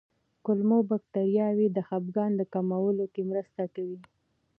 کولمو بکتریاوې د خپګان د کمولو کې مرسته کوي.